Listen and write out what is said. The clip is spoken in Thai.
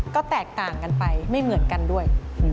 ก็แตกต่างกันไปไม่เหมือนกันด้วย